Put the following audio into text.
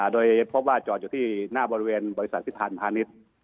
โดยพบว่าจอดอยู่ที่หน้าบริเวณบริษัทพิธานพาณิชย์